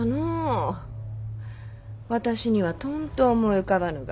私にはとんと思い浮かばぬが。